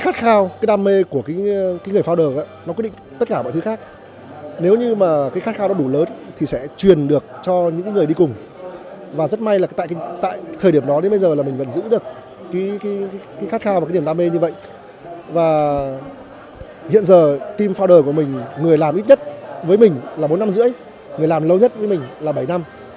team founder của mình người làm ít nhất với mình là bốn năm rưỡi người làm lâu nhất với mình là bảy năm